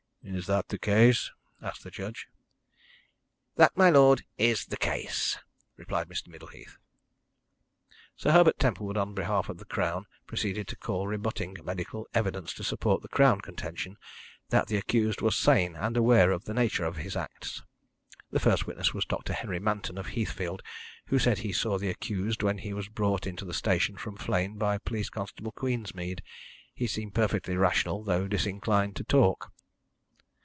"Is that the case?" asked the judge. "That, my lord, is the case," replied Mr. Middleheath. Sir Herbert Templewood, on behalf of the Crown, proceeded to call rebutting medical evidence to support the Crown contention that the accused was sane and aware of the nature of his acts. The first witness was Dr. Henry Manton, of Heathfield, who said he saw the accused when he was brought into the station from Flegne by Police Constable Queensmead. He seemed perfectly rational, though disinclined to talk.